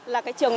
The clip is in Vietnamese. là cái trường